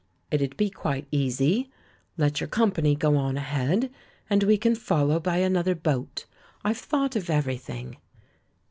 "It'd be quite easy. Let your company go on ahead, and we can follow by another boat! I've thought of everything.